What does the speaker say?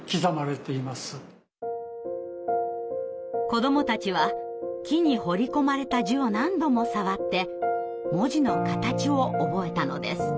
子どもたちは木に彫り込まれた字を何度も触って文字の形を覚えたのです。